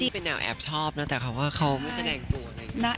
เป็นแนวแอบชอบนะแต่เขาว่าเขาไม่แสดงตัวอะไรอย่างนี้